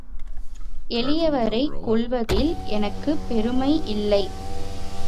எளியவரைக் கொல்வதில் எனக்குப் பெருமை இல்லை.